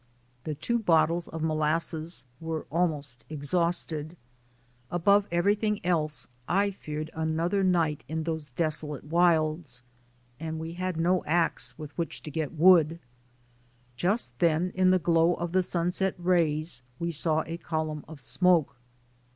The two bottles of molasses were almost exhausted. Above every thing else, I feared another night in those desolate wilds; and we had no ax with which to get wood. Just then in the glow of the sunset rays we saw a column of smoke.